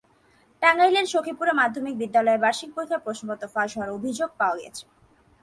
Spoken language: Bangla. টাঙ্গাইলের সখীপুরে মাধ্যমিক বিদ্যালয়ের বার্ষিক পরীক্ষার প্রশ্নপত্র ফাঁস হওয়ার অভিযোগ পাওয়া গেছে।